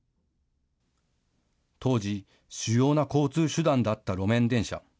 当時、主要な交通手段だった路面電車。